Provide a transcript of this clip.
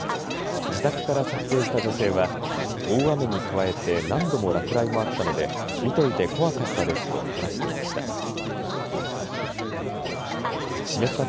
自宅から撮影した女性は大雨に加えて何度も落雷もあったので見ていて怖かったですと話していました。